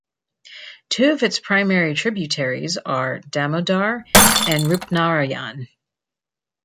Two of its primary tributaries are Damodar and Rupnarayan.